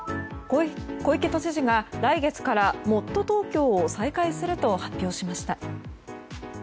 小池都知事が来月からもっとＴｏｋｙｏを再開すると発表しました。